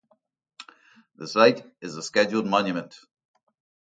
The site is a scheduled monument.